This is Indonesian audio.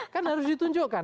kan harus ditunjukkan